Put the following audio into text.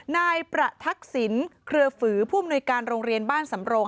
นายประทักษิณเครือฝือผู้อำนวยการโรงเรียนบ้านสำโรง